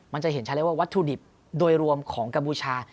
ก็เห็นชัดเลยว่าวัตถุดิบโดยรวมของกระบูชา